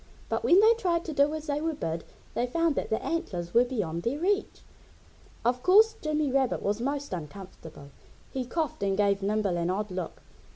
But when they tried to do as they were bid they found that the antlers were beyond their reach. Of course Jimmy Rabbit was most uncomfortable. He coughed and gave Nimble an odd look.